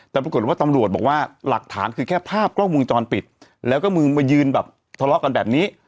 แต่ปรากฏว่าตำรวจบอกว่าหลักฐานคือแค่ภาพกล้องวงจรปิดแล้วก็มือมายืนแบบทะเลาะกันแบบนี้